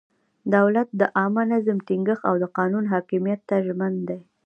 دولت د عامه نظم ټینګښت او د قانون حاکمیت ته ژمن دی.